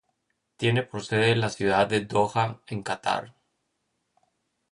Tiene por sede la ciudad de Doha, en Catar.